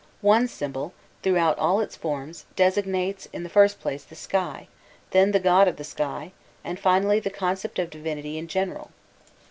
The group [symbol] throughout all its forms, designates in the first place the sky, then the god of the sky, and finally the concept of divinity in general.